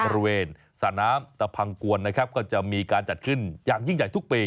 บริเวณสระน้ำตะพังกวนนะครับก็จะมีการจัดขึ้นอย่างยิ่งใหญ่ทุกปี